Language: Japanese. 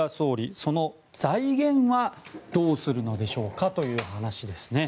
その財源はどうするのでしょうかという話ですね。